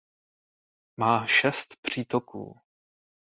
Má šest přítoků.